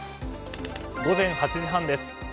午前８時半です。